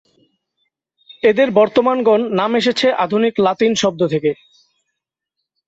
এদের বর্তমান গণ নাম এসেছে আধুনিক লাতিন শব্দ থেকে।